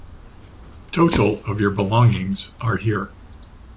Total of your belongings are here.